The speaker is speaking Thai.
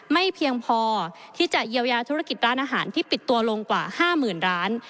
ไม่เพียงพอที่จะเยียวยาธุรกิจร้านอาหารที่ปิดตัวลงกว่า๕๐๐๐ร้าน